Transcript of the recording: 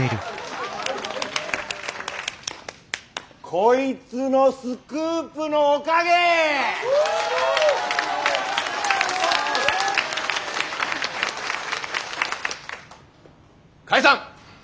こいつのスクープのおかげ！解散！